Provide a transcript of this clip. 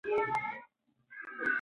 ژباړن باید د نورو لیکنې ډېرې ولولي.